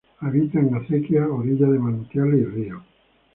Habita en acequias, orillas de manantiales y ríos.